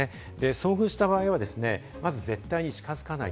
遭遇した場合はですね、まずは絶対に近づかない。